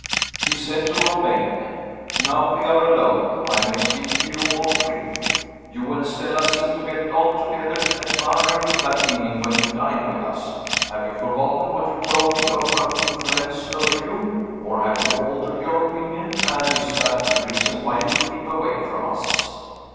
He said to Romayne: "Now we are alone, I may speak to you more freely. You and Stella seemed to get on together admirably that evening when you dined with us. Have you forgotten what you told me of her influence over you? Or have you altered your opinion and is that the reason why you keep away from us?"